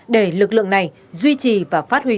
để lực lượng này duy trì và phát huy